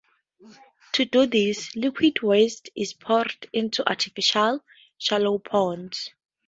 To do this, liquid waste is poured into artificial, shallow ponds.